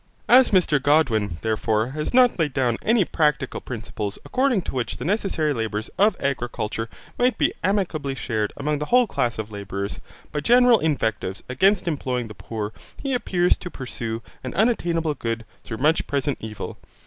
As Mr Godwin, therefore, has not laid down any practical principle according to which the necessary labours of agriculture might be amicably shared among the whole class of labourers, by general invectives against employing the poor he appears to pursue an unattainable good through much present evil.